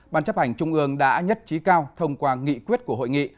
ban chấp hành trung ương đã nhất trí cao thông qua nghị quyết của hội nghị